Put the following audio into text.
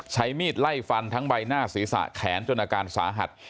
ใช้มีดไล่ฟันทั้งใบหน้าศีรษะแขนจนอาการสาหัส